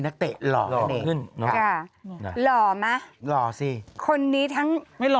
นักเตะหรอขึ้นน่ะค่ะหรอมั้ยหรอสิคนนี้ทั้งไม่หล่อ